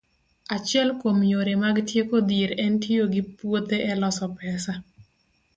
Achiel kuom yore mag tieko dhier en tiyo gi puothe e loso pesa.